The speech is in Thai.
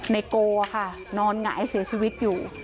ในโกค่ะนอนหงายเสียชีวิตอยู่